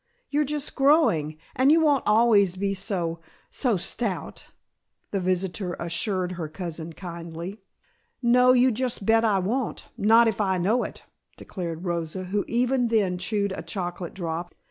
You're just growing, and you won't always be so so stout," the visitor assured her cousin, kindly. "No, you just bet I won't, not if I know it," declared Rosa, who even then chewed a chocolate drop.